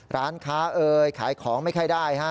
ร้านค้าเอ่ยขายของไม่ค่อยได้ฮะ